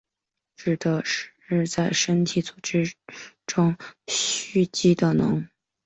指的是在身体组织中蓄积的脓。